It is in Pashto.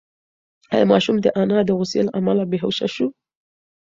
ایا ماشوم د انا د غوسې له امله بېهوښه شو؟